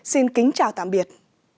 xin kính chào tạm biệt